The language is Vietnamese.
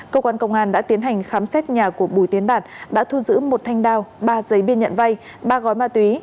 cơ quan công an đã tiến hành khám xét nhà của bùi tiến đạt đã thu giữ một thanh đao ba giấy biên nhận vay ba gói ma túy